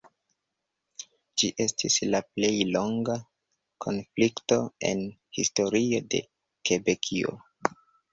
Ĝi estis la plej longa konflikto en historio de Kebekio.